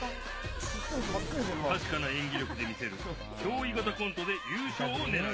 確かな演技力で見せるひょうい型コントで、優勝を狙う。